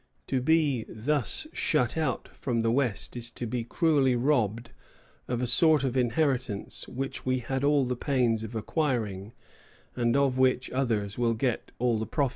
To be thus shut out from the West is to be most cruelly robbed of a sort of inheritance which we had all the pains of acquiring, and of which others will get all the profit."